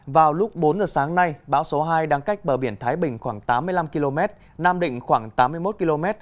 vào lúc bốn giờ sáng nay bão số hai đang cách bờ biển thái bình khoảng tám mươi năm km nam định khoảng tám mươi một km